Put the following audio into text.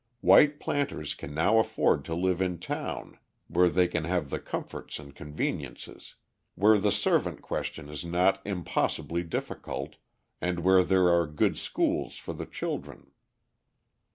White planters can now afford to live in town where they can have the comforts and conveniences, where the servant question is not impossibly difficult, and where there are good schools for the children.